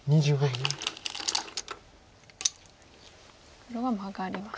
黒はマガりました。